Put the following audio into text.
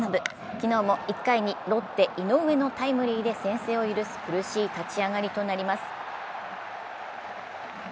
昨日も１回にロッテ・井上のタイムリーで先制を許す苦しい立ち上がりとなります。